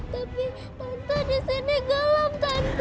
tapi tante disini gelap tante